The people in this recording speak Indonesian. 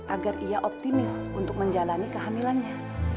agar ia optimis untuk menjalani kehamilannya